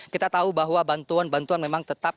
kita tahu bahwa bantuan bantuan memang tetap